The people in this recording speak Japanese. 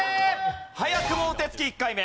早くもお手つき１回目。